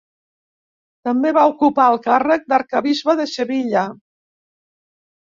També va ocupar el càrrec d'arquebisbe de Sevilla.